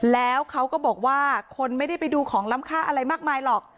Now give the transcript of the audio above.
แล้วเขาก็บอกว่าคนไม่ได้ไปดูของล้ำค่าอะไรมากมายหรอก